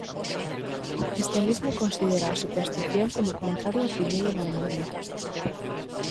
O cristianismo considera a superstición como contraria ao primeiro mandamento.